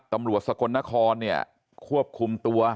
ตำรวจสะกนนะคอเนี่ยควบคุมตัว